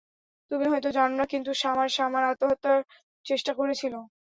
তুমি হয়তো জানো না, কিন্তু সামার -- সামার আত্মহত্যার চেষ্টা করেছিলো।